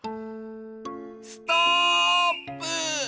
ストップ！